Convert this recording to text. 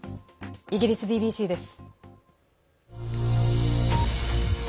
イギリスＢＢＣです。